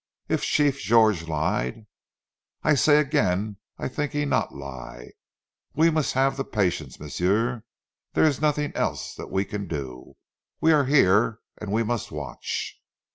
"If Chief George lied " "I say again I tink he not lie. We must haf zee patience, m'sieu. Dere is noding else dat we can do. We are here an' we must watch."